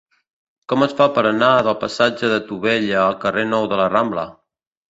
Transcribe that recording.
Com es fa per anar del passatge de Tubella al carrer Nou de la Rambla?